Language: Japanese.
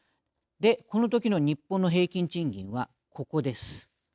このときの日本の平均賃金は、ここです。